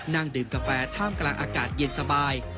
นั่งดื่มกาแฟท่ามกลางอากาศเย็นสบาย